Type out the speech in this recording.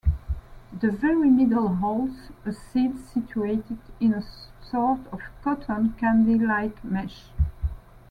The very middle holds a seed situated in a sort of cotton-candy-like mesh.